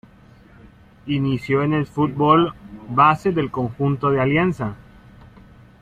Inició en el fútbol base del conjunto de Alianza.